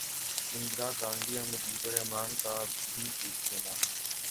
اندرا گاندھی اور مجیب الر حمن کا بھی پوچھ لینا